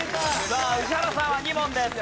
さあ宇治原さんは２問です。